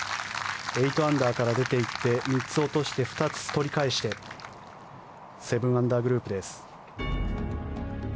８アンダーから出ていって３つ落として２つ取り返して７アンダーグループです。